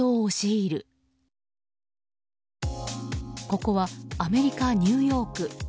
ここはアメリカ・ニューヨーク。